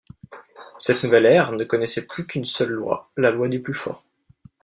Cette nouvelle ère ne connaissait plus qu'une seule loi, la loi du plus fort.